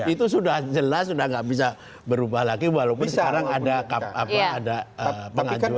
itu sudah jelas sudah nggak bisa berubah lagi walaupun sekarang ada pengajuan di mk